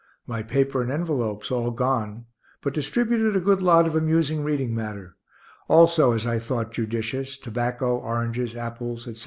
My paper and envelopes all gone, but distributed a good lot of amusing reading matter; also, as I thought judicious, tobacco, oranges, apples, etc.